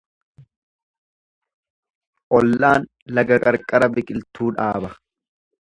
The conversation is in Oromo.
Ollaan laga qarqara biqiltuu dhaaba.